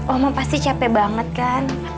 omong pasti capek banget kan